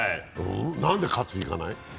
なんで喝いかない？